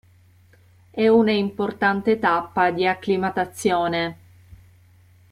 È una importante tappa di acclimatazione.